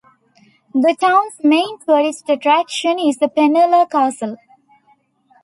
The town's main tourist attraction is the Penela Castle.